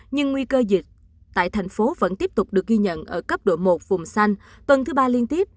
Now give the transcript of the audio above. nhưng nguy cơ dịch tại thành phố vẫn tiếp tục được ghi nhận ở cấp độ một vùng xanh tuần thứ ba liên tiếp